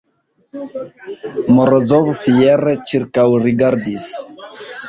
Morozov fiere ĉirkaŭrigardis.